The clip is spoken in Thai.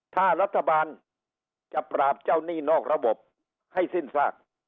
ถ้ารัฐบาลจะปราบเจ้าหนี้นอกระบบให้สิ้นซาก